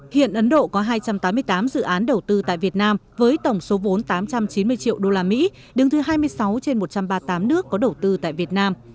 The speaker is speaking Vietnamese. hiện ấn độ có hai trăm tám mươi tám dự án đầu tư tại việt nam với tổng số vốn tám trăm chín mươi triệu usd đứng thứ hai mươi sáu trên một trăm ba mươi tám nước có đầu tư tại việt nam